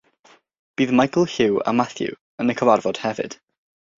Bydd Michael, Hugh a Matthew yn y cyfarfod hefyd.